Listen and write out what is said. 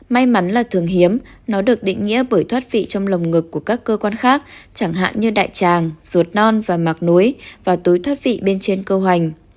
may mắn là thường hiếm nó được định nghĩa bởi thoát vị trong lồng ngực của các cơ quan khác chẳng hạn như đại tràng ruột non và mạc núi và túi thoát vị bên trên câu hoành